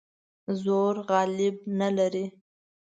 زور غالب نه لري.